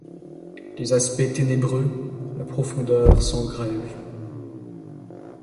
Les aspects ténébreux, la profondeur sans grève